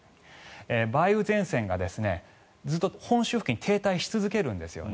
梅雨前線がずっと本州付近に停滞し続けるんですね。